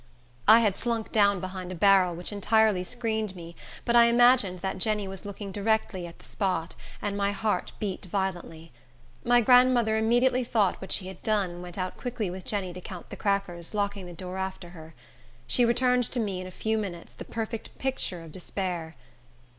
I had slunk down behind a barrel, which entirely screened me, but I imagined that Jenny was looking directly at the spot, and my heart beat violently. My grandmother immediately thought what she had done, and went out quickly with Jenny to count the crackers locking the door after her. She returned to me, in a few minutes, the perfect picture of despair.